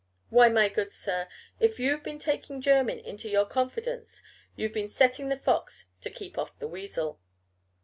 Why, my good sir, if you've been taking Jermyn into your confidence, you've been setting the fox to keep off the weasel.